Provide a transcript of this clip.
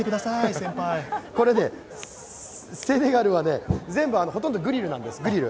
これね、セネガルは全部ほとんどグリルなんです。